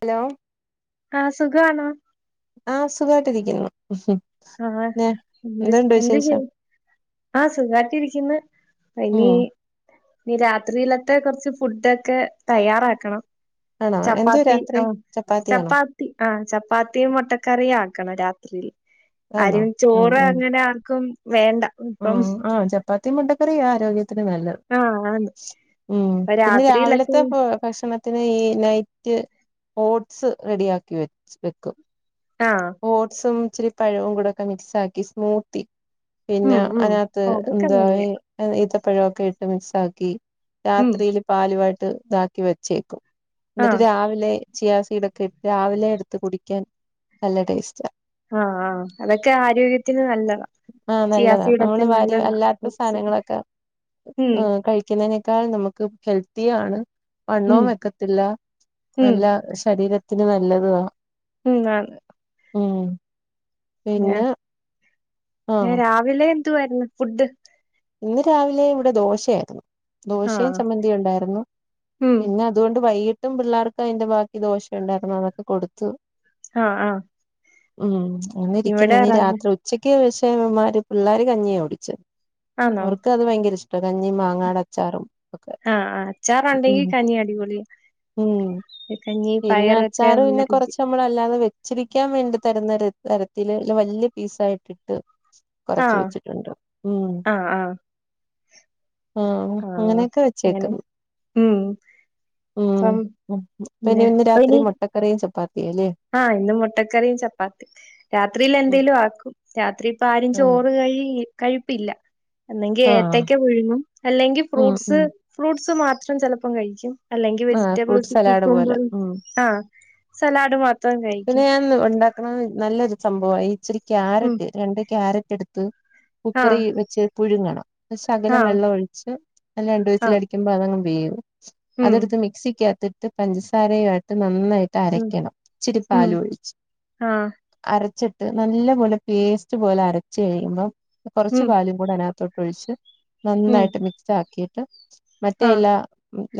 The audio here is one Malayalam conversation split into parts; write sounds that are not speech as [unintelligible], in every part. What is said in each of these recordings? ഹലോ ആ സുഖാണോ? ആ സുഖായിട്ടിരിക്കുന്നു ആ ന്നെ എന്ത് എന്തുണ്ട് എന്ത് ചെയ്യ വിശേഷം ആ സുഖായ്ട്ടിരിക്ക്ണ് ഇനി ഉം നി രാത്രിലത്തെ കുറച്ച് ഫുഡൊക്കെ തയ്യാറാക്കണം ആണോ എന്തുവാ ചപ്പാത്തി രാത്രി ഉം ചപ്പാത്തിയാണോ ചപ്പാത് ആ ചപ്പാത്തിയും മുട്ടക്കറിയും ആക്കണം രാത്രില് അതാന്നോ ആരും ഉം ചോറ് അങ്ങനെ ആർക്കും വേണ്ട ഇപ്പം ഉം ആ ചപ്പാത്തിയും മുട്ടക്കറിയാ ആരോഗ്യത്തിന് നല്ലത് ആഹ് ആന്ന് ഉം ഇപ്പ പിന്നെ രാത്രിയിലൊക്കെ രാവിലത്തെ ഉം ഭക്ഷണത്തിന് ഈ നൈറ്റ് ഓട്സ് റെഡിയാക്കി വെച്ച് വെക്കും ആഹ് ഓട്സും ച്ചിരി പഴവുകൂടെയൊക്കെ മിക്സാക്കി സ്മൂത്തി ഉം പിന്നെ ഉം അതിനകത്ത് ആ, അതൊക്കെ എന്താ ഇ നല്ലയാ ഈത്തപ്പഴൊക്കെ ഇട്ട് മിക്സാക്കി ഉം രാത്രിയില് പാലുവായിട്ട് താക്കി വെച്ചേക്കും ന്നിട്ട് ആഹ് രാവിലെ ചിയാ സീടൊക്കെ ഇട്ട് രാവിലെ എടുത്ത് കുടിക്കാൻ നല്ല ടേസ്റ്റ ആ ആ അതൊക്കെ ആരോഗ്യത്തിന് നല്ലതാ ആ നല്ലതാ നമ്മൾ ചിയാസീടൊക്കെ വാര് നല്ലതാ അല്ലാത്ത ഓട്സ് സാധനങ്ങളൊക്കെ ഉം കഴിക്കുന്നതിനേക്കാൾ നമു ക്ക് ഹെൽത്തിയാണ് ഉം വണ്ണവും വെക്കത്തില്ല ഉം നല്ല ശരീരത് ത്തിന് നല്ല തുവാ ഉം ആ ഉം പിന്നെ ഏ ആഹ് രാവിലെ എന്തുവായിരുന്നു ഫുഡ് ഇന്ന് രാവിലെ ഇവിടെ ദോശയായിരുന്നു ദോശയും ആഹ് ചമ്മന്തിയും ഉണ്ടായിരുന്നു ഉം പിന്നെ അതുകൊണ്ട് വൈകിട്ടും പിള്ളേർക്ക് അയ്ന്റെ ബാക്കി ദോഷ ഉണ്ടായിരുന്നു അതൊക്കെ കൊടുത്തു ആഹ് ആഹ് ഉം ഒന്നിരിക്കുന്ന ഇവിടെ ഇനി റവ രാത്രി ഉച്ചക്ക് പഷേവന്മാര് പിള്ളേര് കഞ്ഞിയാകുടിച്ചേ ആന്നോ ഓർക്ക് അത് ഭയങ്കര ഇഷ് ട്ട കഞ്ഞിമ് മാങ്ങാടച്ചാറും ഒക്കെ ആഹ് ആഹ് ഉം അച്ചാറുണ്ടെങ്കി കഞ്ഞി അടിപൊളിയാ ഉം കഞ്ഞി പിന്നെ പയറൊക്കെ അച്ചാറ് നല്ല പിന്നെ രുചി കൊറച്ച മ്പളല്ലാതെ വെച്ചിരിക്കാൻ വേണ്ടി തരുന്ന ഒരു തരത്തില് വല്യേ പീസായിട്ടിട്ട് കൊറച്ച് വെച്ചിട്ടുണ്ട് ഉം. അ ആഹ് ആഹ് അങ്ങനെയൊക്കെ വെച്ചേക്കുന്ന് ഉം ഉം ഇപ്പം അപ്പോ ഇനി പിന്നെ ഇന്ന് അപ്പൊ രാത്രി ഇനി മുട്ടക്കറിയും ചപ്പാത്തിയും അല്ലേ ആഹ് ഇന്ന് മുട്ടക്കറിയും ചപ്പാത്തി രാത്രിയിൽ ഉം എന്തേലും ആക്കും രാത്രി ഇപ്പ ആരും ആഹ് ചോറ് കഴി കഴിപ്പില്ല അല്ലെങ്കി ആഹ് ഏത്തക്ക പുഴുങ്ങും അല്ലെങ്കി ഉം ഫ്രൂട്ട്സ് ഉം ഫ്രൂട്ട്സ് മാത്രം ചിലപ്പം കഴിക്കും. അല്ലെങ്കി ആഹ് ഫ്രൂട്ട് വെജിറ്റബിൾസ് സലാഡ് പോലെ കുക്കുമ്പറും ഉം ആഹ് സലാഡ് മാ പിന്നെ ഞാൻ ഉണ്ടാക്കണ നല്ലൊരു സംഭവ ഇച്ചിരി ഉം ക്യാരറ്റ് രണ്ട് ക്യാരറ്റ് എടു ത്ത് കുക്കറി ആഹ് വെച്ച് പുഴുങ്ങണം ശകലം ആഹ് വെള്ള ഒഴിച്ച് നല്ല രണ്ട് ആഹ് വിസിലടി മ്പോ അതങ്ങ് വേവും ഉം അതെട്ത്ത് മിക്സിക്കകത്തിട്ട് പഞ്ചസാരയായിട്ട് നന്നായി ഉം ട്ടരയ്ക്കണം ഉം ഇച്ചിരിപ്പാലൂ ഒഴിച്ച് ആഹ് അരച്ചിട്ട് നല്ല പോലെ പേസ്റ്റ് പോലെ അരച്ച് കഴിയുമ്പോ കുറച്ച് ഉം പാലും കൂടെ അതിനകത്തോട്ട് ഒഴിച്ച് ഉം നന്നായിട്ട് മിക്സ് ആക്കിട്ട് മറ്റേ ആഹ് എല്ലാ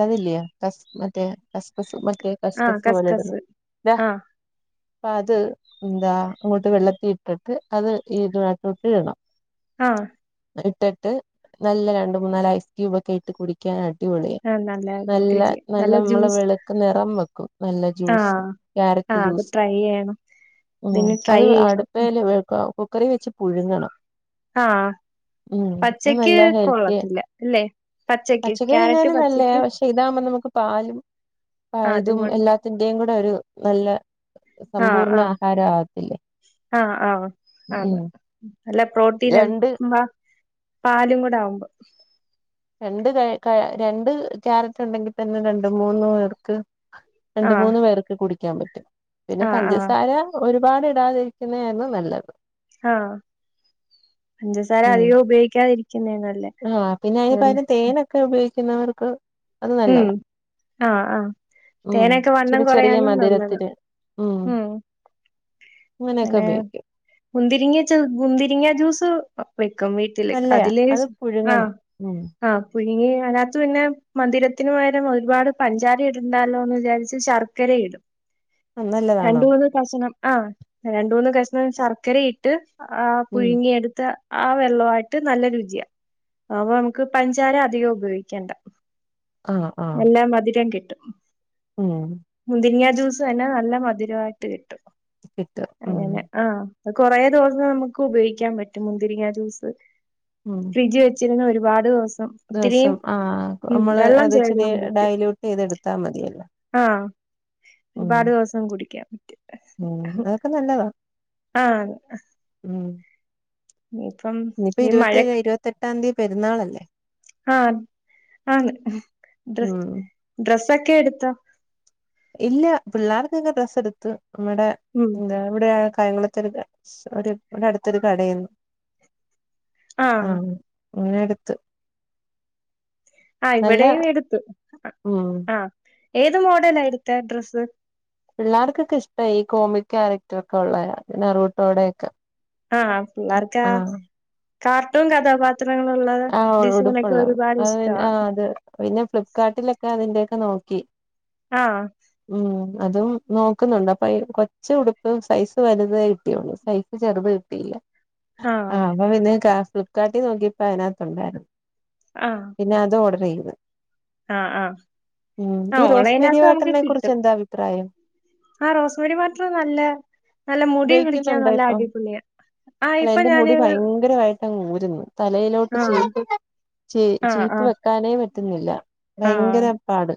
അത് ല്യേ കസ് മറ്റേ കസ്കസ് മറ്റേ ആഹ് കസ്കസ്‌ പോലെട്ന്ന് കസ്കസ് ടാ. ആഹ് പ്പാത് എന്താ അങ്ങട്ട് വെള്ളത്തി ഇട്ടിട്ട് അത് ഈതു നട്ടോട്ട് ഇടണം ആഹ്. ഇട്ടിട്ട് നല്ല രണ്ട് മൂന്നാല് ഐസ്ക്യൂബ് ഒക്കെ ഇട്ട് കുടിക്കാനടിപൊളി. എന്താണ്? നല്ല നല്ല നമ്മള് വെളുക്കും നിറം വെക്കും നല്ല ജ്യൂസ് ആഹ് ക്യാര ആഹ് അത് ട്രൈയെയ്യണം. ഉം അത് അടുപ്പേല് വേവിക്കാ കുക്കറി വെച്ച് പുഴുങ്ങണം. ആഹ് ഉം അത് പച്ചക്ക് നല്ല ഹെൽത്തിയ കൊള്ളത്തില്ല അല്ലേ പച്ചക്ക് ക്യാരറ്റ് പച്ചക്ക് ഇതാവുമ്പോ നമുക്ക് പാലും ആ ആഹ് അതും ഇതും കൂടെ എല്ലാത്തിന്റെയും കൂടെ ഒരു നല്ല ആഹ് സമ്പൂർണ്ണ ആഹ് ആഹാര ആവത്തില്ലേ ആഹ് ആഹ് അതെ നല്ല പ്രോട്ടീൻ എം രണ്ട് ബാ പാലും കൂടാവുമ്പോ. രണ്ട് കെ കേ രണ്ട് ക്യാരറ്റ് ഉണ്ടെങ്കി തന്നെ രണ്ട് മൂന്നു പേർക്ക് രണ്ട് ആഹ് മൂന്ന് പേർക്ക് കുടിക്കാൻ പറ്റും പിന്നെ ആഹ് ആഹ് പഞ്ചസാര ഒരുപാടിടാതിരിക്കുന്നയായിരുന്നു നല്ലത് ആഹ് പഞ്ചസാര ഉം അധികം ഉപയോഗിക്കാതിരിക്കുന്നേ നല്ലേ ആഹ് പിന്നെ അയ്ന് അതന്നെ പകരം തേനൊക്കെ ഉപയോഗിക്കുന്നവർക്ക് അത് ഉം നല്ലതാ. ആഹ് ആഹ് ഉം തേനൊക്കെ വണ്ണം ഇച്ചിരി ചെറിയ കുറയാനും നല്ലത് മധുരത്തിന് ഉം. അങ്ങനെയൊക്കെ ഉപയോഗിക്കും. മുന്തിരിങ്ങ്യ ച്ച മുന്തിരിങ്ങാ ജ്യൂസ് [unintelligible] വെക്കും വീട്ടില് നല്ലയാ അതില് അത് ആഹ് പുഴുങ്ങണം ഉം ആഹ് പുഴുങ്ങി അയിനകത്ത് പിന്നെ മധുരത്തിന് പകരം ഒരുപാട് പഞ്ചാര ഇടണ്ടാലോന്ന് വിചാരിച്ച് ശർക്കര ഇടും. ആഹ് നല്ലതാണോ രണ്ട് മൂന്ന് കഷണം ആഹ് രണ്ട് മൂന്ന് കഷണം ശർക്കര ഇ ട്ട് ആഹ് ഉം പുഴുങ്ങി എടുത്ത ആ വെള്ളവായിട്ട് നല്ല രുചിയ അപ്പൊ നമുക്ക് പഞ്ചാര അധികം ഉപയോഗിക്കണ്ട. ആ ആ അ മധുരം കിട്ടും ഉം മുന്തിരിങ്ങ ജ്യൂസ് തന്നെ നല്ല മധുരവായിട്ട് കിട്ടും കിട്ടും ഉം അങ്ങനെ ആഹ് കൊറേ ദിവസം നമുക്ക് ഉപയോഗിക്കാൻ പറ്റും മുന്തിരിങ്ങ ജൂസ് ഉം ഫ്രിഡ്ജ് വെച്ചിരുന്ന ഒരുപാട് ദിവസം ഒത്തിരിയും ദിവസം ആഹ് ഉം നമ്മള് വെള്ളം അത്ച്ചിരി ചേരാൻ പറ്റും ഡയലയൂട്ട് ചെയ്ത എടുത്താ മതിയല്ലോ ആഹ് ഉം ഒരുപാട് ദിവസം കുടിക്കാൻ ഉം പറ്റും അതൊക്കെ നല്ലതാ ആഹ് ഉം നിപ്പം ഇനിയിപ്പ ഇരുപത്തിഴ് ഇരുപത്തെട്ടാം തീയതി പെന്നാൾല്ലേ ആഹ് ആഹ് ഡ്ര ഉം ഡ്രസ്സ് ഒക്കെ എടുത്താ ഇല്ല പിള്ളേർക്കൊക്കെ ഡ്രസ് എടുത്തു നമ്മടെ ഉം എന്ത ഇവിടെ കായംകുളത്ത് അട ഇവിടെ അടുത്തൊരു കടയന്ന് ആഹ് ഇങ്ങനെ എടുത്ത് ആഹ് നല്ല ഇവിടെയും എടുത്തു ഉം ആഹ് ഏത് മോഡലാ എടുത്തെ ഡ്രസ്സ് പിള്ളേർക്കൊക്കെ ഇഷ്ട ഈ കോമിക്യക്ടർ ഒക്കെ ഉള്ള അതിന നറുട്ടോടെക്കെ ആഹ് പിള്ളേർക്ക കാർട്ടൂൺ കഥാപാത്ര ചിത്രങ്ങളുള്ള ആഹ് ഡിസൈനൊക്കെ ഉടുപ്പുള്ളത് ഒരുപാട് അത് പിന്നെ ഇഷ്ടമാണ് ആഹ് അത് പിന്നെ ഫ്ലിപ്കാർട്ടിലൊക്കെ അതിന്റെയൊക്ക നോക്കി ആഹ് ഉം അതും നോക്കുന്നുണ്ട് അപ്പൊ കൊച്ച ഉടുപ്പ് സൈസ് വലുതേ കിട്ടിയള്ളൂ സൈസ് ചെറുത് കിട്ടിയില്ല ആഹ് അപ്പൊ പിന്ന് കാ ഫ്ലിപ്കാർട്ടിൽ നോക്കിയപ്പോ അതിനകത്തുണ്ടായിരുന്നു ആഹ് പിന്നെ അത് ഓർഡർ ചെയ്ത് ആഹ് ആഹ് ഉം ഈ ആഹ് റോസ്മെരി ഓൺലൈനകത്ത് വാട്ടറിനെ കുറിച്ച് എന്താ അഭിപ്രായം ആഹ് റോസ്മേരി വാട്ടർ നല്ല നല്ല മുടി കിളിക്കാൻ ഉപയോഗിക്കുന്നുണ്ടോ നല്ല ഇപ്പം അടിപൊളിയ അല്ല എന്റെ മുടി ഭയങ്കരമായിട്ട് ഊരുന്നു തലയിലോട്ട് ആ ചീപ്പ് ച ആ ആ ചീപ്പ് വെക്കാനേ പറ്റുന്നില്ല ആ ഭയങ്കര പാട്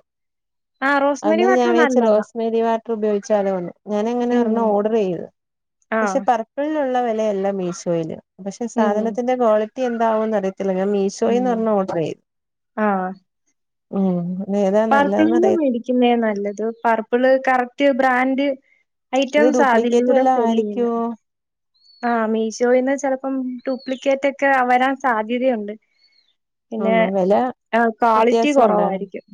ആ റോസ്മേരി അന്നെരം ഞാൻ വാട്ടർ വിച്ച നല്ലതാ റോസ മേരി വാട്ടർ ഉപയോഗിച്ചാലോ എന്ന് ഞാൻ അങനെ ഉം ഒരണ്ണം ഒർഡർ ചെയ്ത് ആ പക്ഷ പർ ഉിലുള്ള വിലയല്ല മീഷോയില് പക്ഷെ ഉം സാധനത്തിന്റെ ക്വാളിറ്റി എന്താവന്ന് അറിയത്തില്ല മീ വിശോയിന്ന് ഉം ഒരണ്ണം ഓർഡർ ചെയ്ത് ആ പർപ്പിളിന്ന് മേടിക്കുന്നേ നല്ലത് പർപ്പിള് കറക്റ്റ് ബ്രാൻഡ് ഇത് ഐറ്റംസ് ഡ്യൂപ്ലിക്കേറ്റ് അതിലൂടെ വല്ലോം സെല് ചെയ്യുന്നത് ആയിരിക്കുവോ ആഹ് മീഷോയിന്ന് ചെലപ്പം ഡ്യൂപ്ലിക്കേറ്റ് ഒക്കെ വരാൻ സാധ്യതയുണ്ട് പിന്നെ ആണോ വില ക്വാളിറ്റി വ്യത്യാസം ഉണ്ടായിരുന്നു കുറവായിരിക്കും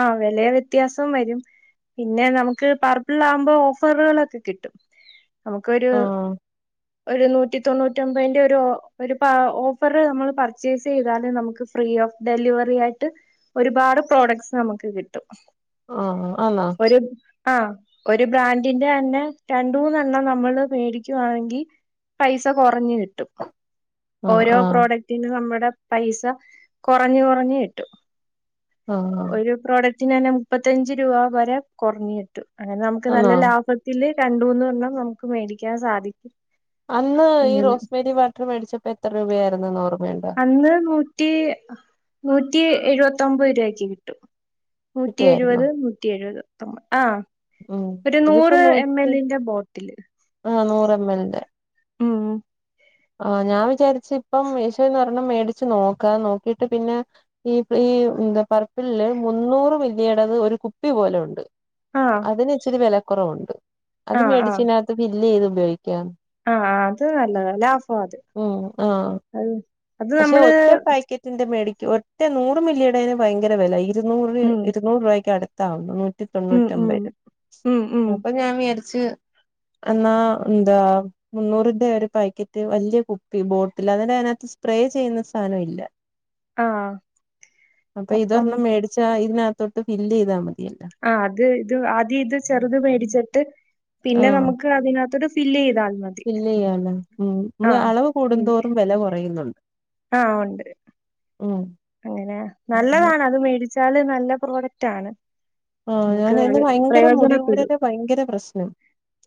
ആഹ് വില വ്യത്യാസം വരും പിന്നെ നമുക്ക് പർപ്പിൾ ആകുമ്പോ ഓഫറുകളൊക്കെ കിട്ടും നമുക്കൊരു ആഹ് ഒരു നൂറ്റി തൊണ്ണൂറ്റിമ്പതിന്റെ ഒരു ഒരു ഓഫർ നമ്മൾ പർച്ചേസ് ചെയ്താലും നമുക്ക് ഫ്രീ ഓഫ് ഡെലിവറി ആയിട്ട് ഒരുപാട് പ്രോഡക്ട്സ് നമുക്ക് കിട്ടും ആഹ് ആഹ് ആന്നോ ഒരു ആഹ് ഒരു ബ്രാൻഡിന്റെ തന്നെ രണ്ട മൂന്നെണ്ണം നമ്മള് മേടിക്കുവാണെങ്കിൽ പൈസ കുറഞ് കിട്ടും ആഹ് ഓരോ ആഹ് പ്രോഡക്റ്റിനും നമ്മുടെ പൈസ കുറഞ്ഞ് കുറഞ്ഞ് കിട്ടും ആഹ് ഒരു പ്രോഡക്റ്റിന് തന്നെ മുപ്പത്തഞ്ച് രൂപ വരെ കുറഞ്ഞ കിട്ടു അങ്ങനെ നമുക്ക് ആന്നോ നല്ല ലാഭം തില് രണ്ടുമൂന്നെണ്ണം നമുക്ക് വേടിക്കാൻ സാധിക്കും അന്ന് ഈ അങ്ങനെ റോസ്മെരി വാട്ടർ വേടിച്ചപ്പോ എത്ര രൂപയാരുന്നുന്ന് ഓർമ്മയുണ്ടൊ അന്ന് നൂറ്റി നൂറ്റി എഴുവത്തൊമ്പത് രൂപക്ക് കിട്ടും നൂറ്റി കിട്ടിയായിരുന്നോ എഴുപത് നൂറ്റി എഴുപത് ആഹ് ഉം ഇതിപ്പോ നൂറ്റി ബോട്ടില് ആഹ് നൂറ് എമ്മൽ ന്റെ ഉം ആഹ് ഞാൻ വിചാരിച്ച് ഇപ്പം മീശോന്ന് ഒരെണ്ണം മേടിച്ച് നോക്കാ നോക്കിട്ട് പിന്നെ ഈ പീ പർപ്പിളില് മുന്നൂറ് മില്ലിയടത് ഒരു കുപ്പി പോലെ ഉണ്ട് ആ അതിന് ച്ചിരി വെലക്കുറവുണ്ട് അത് ആ മേടിച്ചിനകത്ത് ഫില്ലെയ്ത് ഉപയോഗിക്കാ അ ആഹ് അത് നല്ലതാ ലാഫാ അത് ഓ ആഹ് അഅ് അത് നമ്മള് ന്റെ മേടിക്ക് ഒറ്റെ നൂറ് മില്ലി ടെന് ഭയങ്കര വെല ഇരുന്നൂറ് ഉം ഇരുന്നൂറ് രൂപക്കടു ത്താഉ നൂറ്റി ഉം തൊണ്ണൂറ്റമ്പ ഉം രൂ ഉം ഉം അപ്പൊ ഞാൻ വിചാരിച്ച് എന്നാ ന്താ? മുന്നൂറിന്റെ ഒരു പാക്കറ്റ് വല്ല്യ കുപ്പി ബോട്ടില് അതി [unintelligible] പ്രേ ചെയ്യുന്ന സാനം ഇല്ല ആ അപ്പൊ അപ്പം ഇതൊരെണ്ണം മേടിച്ചാ ഇതിനകത്തോട്ട് ഫില്ലെയ്താ മതിയല്ലോ ആഹ് അത് ത് ആദ്യ ഇത് ചെറുത് മേടിച്ചിട്ട് പിന്നെ നമുക്ക് ത് അതിനകത്തട്ട് ഫി ല്ലെയ്താൽ മ ഫില്ലെയ്യാനോ ഉം മ്മള് അളവ് കൂടുന്തോറും വെല കൊറയുന്നുണ്ട് ആഹ് ഒണ്ട് അങ്ങനെ അങ്ങനെ നല്ലതാണത് മേടിച് ച്ചാല് നല്ല പ്രോഡക്റ്റാണ് ആഹ് ഞാന് എന്ന ഭയങ്കര മുടി യൂരല് ഭയങ്കര പ്രശ്നം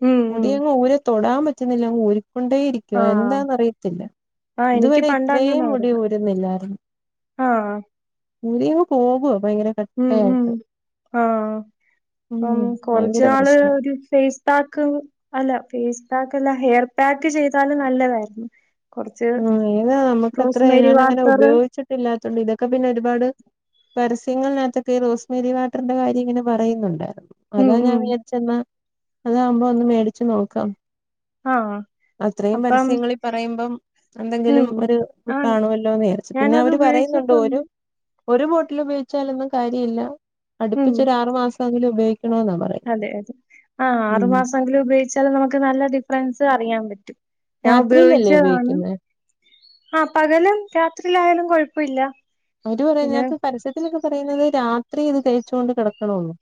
ഉം, ഉം. മുടിയങ്ങ് ഊരെ തൊടാൻ പറ്റുന്നില്ല അങ്ങൂരിക്കൊണ്ടേ ഇരി ക്കുവാ ആഹ്. എന്താന്ന്റിയത്തില്ല ആ എനിക്ക് ഇതുവരെ ഇത്രേം മുടി പണ്ടങ്ങനായിരുന്നു. ഊരുന്നില്ലാരുന്നു ആഹ് ഊരി അങ്ങ് പോവാ ഭയങ്കര കട് ഉം ഉം ആഹ് ഉം അം കൊറച്ച് ഭയങ്കര ആള് പ്രശ്ന ഒരു ഫേസ് പാക്ക് അല്ല ഫേസ് പാക്കല്ല ഹെയർ പാക്ക് ചെയ്താലും നല്ലതാരുന്നു ഉം ഏതാ നമുക്കത്രെ ഞാനങ്ങനെ വാട്ടറ് ഉപയോഗിച്ചിട്ടില്ലാത്തൊണ്ട് ഇതൊക്കെ പിന്നൊരുപാട് പരസ്യങ്ങൾ നകത്തൊക്കെ ഈ റോസ് മേരി വാട്ടർന്റെ കാര്യം ഇങ്ങനെ പറയുന്നുണ്ട് ത ഉം, അതാ ഞാൻ ഉം. വിജാരിച്ചെന്നാ അതാകുമ്പോ ഒന്ന് മേടിച്ച് നോക്കാം ആഹ് അത്രയും അപ്പം പരസ്യങ്ങളി പറയുമ്പം എന്തെങ്കിലും ഉം. ഒരു ത് ആണ്. കാണുമല്ലോന്ന് ചാരിച്ചു പിന്നെ ഞാനത് അവര് പറയുന്നുണ്ട് ഒരു ഉപയോഗിച്ചിട്ടുണ്ട്. ഒരു ബോട്ടിലുപയോഗിച്ചാലൊന്നും കാര്യ ഇല്ല്യ. ഉം. അടുപ്പിച്ച് ഒരാറുമാസെങ്കിലുപയോഗിക്കണോന്നാണ്. അതെ അതെ ആ ആറു മാസംങ്കിലും ഉപയോഗിച്ചാൽ നമുക്ക് നല്ല ഡിഫറൻസ് അറിയാൻ പറ്റും ഞാ ഉപയോഗിച്ച രാത്രിയിലല്ലേ ആണ് ഉപയോഗിക്കുന്നെ ആഹ് പകലും രാത്രിലായാലും കൊഴപ്പല്ല അവര് പറയ പിന്നെ [unintelligible] പരസ്യത്തിലൊക്കെ പറയുന്നത് രാത്രി ഇത് തേച്ചു കൊണ്ട് കെടക്കണോന്ന്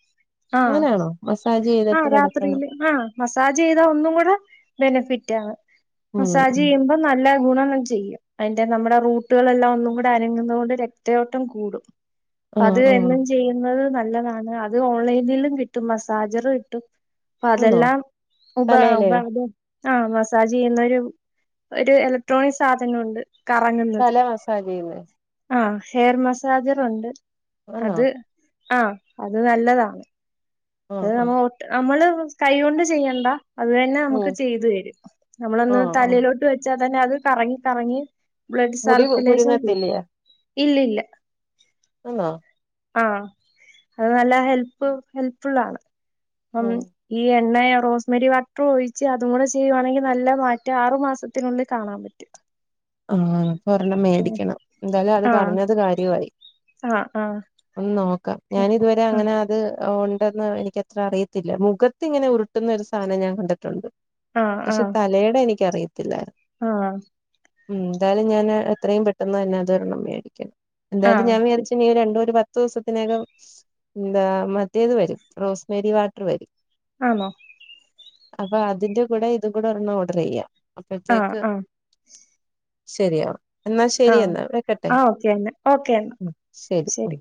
ആഹ് മസാജെ ആഹ് രാത്രിയില് ആഹ് മസാജെയ്താ ഒന്നും കൂടെ ബെനിഫിറ്റാണ് ഉം ഉം മസാജെയ്യുമ്പോ നല്ല ഗുണം ങ്ങ ചെയ്യ അയിന്റെ നമ്മുടെ റൂട്ടുകളെല്ലാം ഒന്നും കൂടെ അനങ്ങുന്നോണ്ട് രക്തയോട്ടം കൂടും ആഹ് പ്പത് ആഹ് എന്നും ചെയ്യുന്നത് നല്ലതാണ് അത് ഓൺലൈനിലും കിട്ടും മസാജറ് കിട്ടും ആന്നോ പ്പതെല്ലാം ഉപ തലയില് ഉപാ [unintelligible] ആഹ് മസാജെയ്യുന്നൊരു ഒരു എലക്ട്രോണിക് സാധനുണ്ട് കറങ്ങ്ന്നത് തല മസാജ് ചെയ്യുന്നേ ആഹ് ഹെയർ മസാജറുണ്ട് ആന്നോ അത് ആഹ് അത് നല്ലതാണ് അത് ആഹ് നമ്മ ആഹ് ഒട്ട് നമ്മള് കയ്യോണ്ട് ചെയ്യണ്ട അത് തന്നെ നമുക്ക് ഉം ചെയ്തു വരും നമ്മളൊന്ന് ആഹ് ആഹ് തലയിലോട്ട് വെച്ചാ തന്നെ അത് കറങ്ങി കറങ്ങി ബ്ലഡ് മുടി പു- സർക്കുലേഷൻ കുരുങ്ങത്തില്ലേ കൂട്ടും ഇല്ലില്ല അന്നോ ആഹ് അത് നല്ല ഹെൽപ്പ് ഹെൽപ്ഫുള്ളാണ് അം ഉം ഈ എണ്ണയ റോസ്മെരി വട്ടർ ഒഴിച്ച് അതും കൂടി ചെയ്യുവാണെങ്കിൽ നല്ല മാറ്റം ആറു മാസത്തിനുള്ളിൽ കാണാ പറ്റും [unintelligible] ആഹ് പൊ രെണ്ണം മേടിക്കണം എന്താലും അത് ആഹ് പറഞ്ഞത് കാര്യവായി ആഹ് ആഹ് ഒന്ന് നോക്കാം ഓക്കെ ഞാൻ ഇതുവരെ ആഹ് അങ്ങനെ അത് ഓണ്ടെന്ന് എനിക്ക ത്ര അറിയത്തില്ല മുഖത്തിങ്ങനെ ഉരുട്ടുന്ന ഒരു സാധനം ഞാൻ കണ്ടിട്ടുണ്ട് ആഹ് പക്ഷെ ആഹ് തലേടെ എനിക്കറിയത്തിലായിര് ആഹ് ഉംന്താലും ഞാന് എത്രയും പെട്ടെന്ന് തന്നെ അതൊരെണ്ണം മേടിക്കും എന്താലും ഞാൻ വേറെ ആഹ് ച്ച് നിരണ്ടു ഒരു പത്തൂസത്തിനകം എന്താ മറ്റേത് വരും റോസ് മെരി വാട്ടർ വരും ആന്നോ അപ്പൊ അതിന്റെ കൂടെ ഇതു കൂടെ ഒരെണ്ണം ഓർഡർ ചെയ്യാ ആഹ് അപ്പഴ്ത്തേക്ക് ആഹ് ശരിയാവർ എന്നാൽ ശരി ആഹ് എന്നാ വെക്കട്ടെ ആഹ് ഓക്കെ എന്നാ ഓക്കെ എന്നാ ഉം ശരി ഉം